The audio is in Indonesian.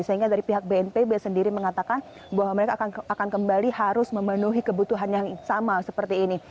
sehingga dari pihak bnpb sendiri mengatakan bahwa mereka akan kembali harus memenuhi kebutuhan yang sama seperti ini